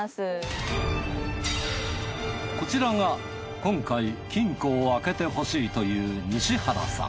こちらが今回金庫を開けてほしいという西原さん